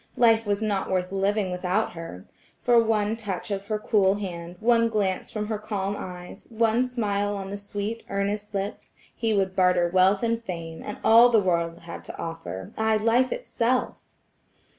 Life was not worth living without her. For one touch of her cool hand, one glance from her calm eyes, one smile on the sweet, earnest lips, he would barter wealth and fame, and all the world had to offer–aye life itself!